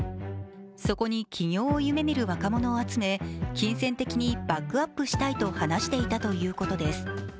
そこに起業を夢見る若者を集め金銭的にバックアップしたいと話していたということです。